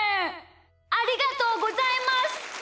ありがとうございます。